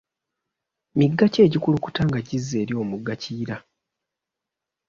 Migga ki egikulukuta nga gizza eri omugga kiyira?